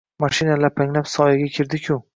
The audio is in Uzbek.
Mashina lapanglab soyga kirdi-ku!